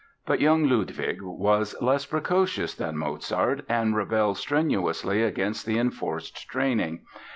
But the young Ludwig was less precocious than Mozart and rebelled strenuously against the enforced training.